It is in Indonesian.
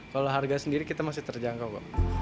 kalau harga sendiri kita masih terjangkau kok